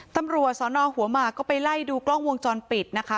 ตำรวจสอนอหัวหมากก็ไปไล่ดูกล้องวงจรปิดนะคะ